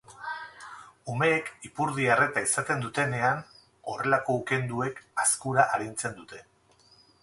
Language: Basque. Umeek ipurdia erreta izaten dutenean horrelako ukenduek azkura arintzen dute.